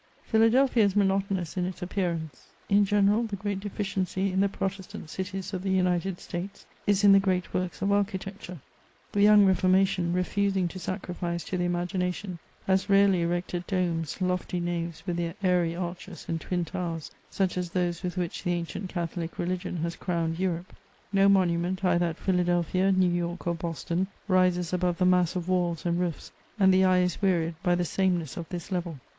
Philadelphia is monotonous in its appearance ; in general, the great deficiency in the Protestant cities of the United States is in the great works of architecture ; the young Reformation, refusing to sacrifice to the imagination, has rarely erected domes, lofty naves with their airy arches, and twin towersy such as those with which the ancient Catholic religion has crowned Europe. No monument, either at Philadelphia, New York, or Boston, rises above the mass of walls and roofs; and the eye is wearied by the sameness of this level.